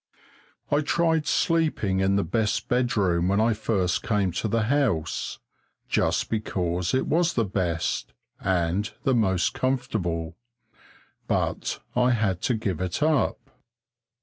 I tried sleeping in the best bedroom when I first came to the house, just because it was the best and the most comfortable, but I had to give it up.